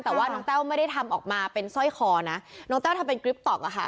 แต่ว่าน้องแต้วไม่ได้ทำออกมาเป็นสร้อยคอนะน้องแต้วทำเป็นกริปต๊อกอะค่ะ